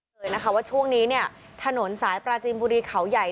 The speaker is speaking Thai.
เจอเลยนะคะว่าช่วงนี้ถนนสายปราจิมบุรีเขาใหญ่